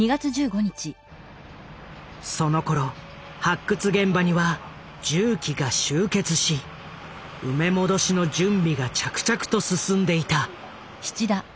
そのころ発掘現場には重機が集結し埋め戻しの準備が着々と進んでいた。